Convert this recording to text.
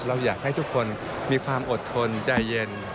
เราอยากให้ทุกคนมีความอดทนใจเย็น